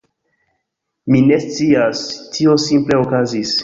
Mi ne scias, tio simple okazis.